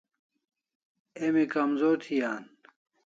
Emi kamzor thi an